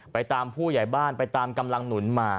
ไปตามผู้ใหญ่บ้านไปตามกำลังหนุนมา